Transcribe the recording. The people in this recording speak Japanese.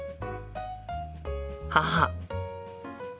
母。